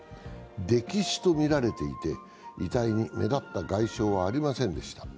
溺死とみられていて遺体に目立った外傷はありませんでした。